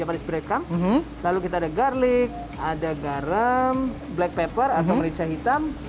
japanese break comp lalu kita ada garlic ada garam black pepper atau merica hitam